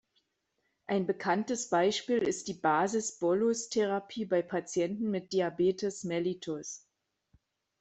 Ein bekanntes Beispiel ist die Basis-Bolus-Therapie bei Patienten mit Diabetes mellitus.